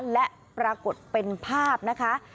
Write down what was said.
และปรากฏเป็นภาพนะคะ